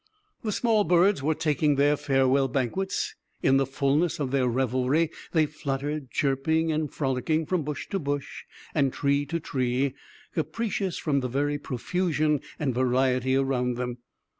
The small birds were taking their farewell banquets. In the fullness of their revelry, they fluttered, chirping and frolicking, from bush to bush and tree to tree, capricious from the very profusion and variety around them.